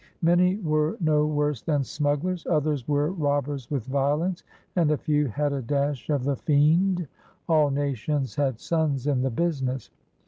Many were no worse than smugglers; others were robbers with violence; and a few had a dash of the 208 PIONEERS OF THE OLD SOUTH fiend. All nations had sons in the business.